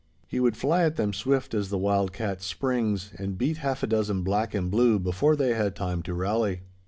He would fly at them swift as the wild cat springs, and beat half a dozen black and blue before they had time to rally.